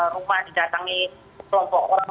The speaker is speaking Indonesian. rumah didatangi kelompok orang